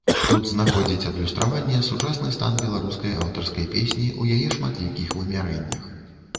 Тут знаходзіць адлюстраванне сучасны стан беларускай аўтарскай песні ў яе шматлікіх вымярэннях.